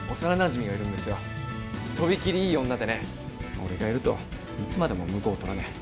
俺がいるといつまでも婿を取らねえ。